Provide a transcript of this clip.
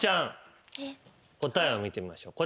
えっ？答えを見てみましょう。